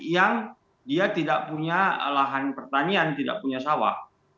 yang dia tidak punya lahan pertanian tidak punya sawah